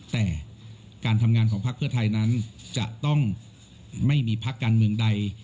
แต่การทำงานของพักเพื่อไทยนั้นจะต้องไม่มีพักการเมืองใด